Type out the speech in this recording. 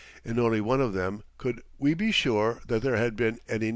In only one of them could we be sure that there had been any niches.